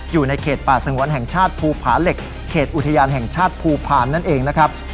อยู่ในเขตป่าสงวนแห่งชาติภูผาเหล็กเขตอุทยานแห่งชาติภูพาลนั่นเองนะครับ